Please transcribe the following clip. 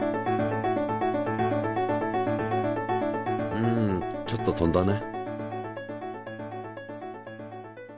うんちょっと飛んだね。